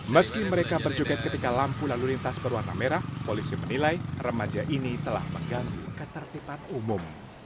meski mereka berjoget ketika lampu lalu lintas berwarna merah polisi menilai remaja ini telah mengganggu ketertiban umum